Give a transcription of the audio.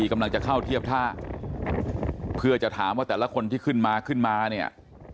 กำลังจะเข้าเทียบท่าเพื่อจะถามว่าแต่ละคนที่ขึ้นมาขึ้นมาเนี่ย